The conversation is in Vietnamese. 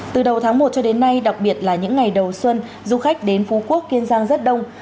từ đầu tháng một cho đến nay đặc biệt là những ngày đầu xuân du khách đến phú quốc kiên giang rất đông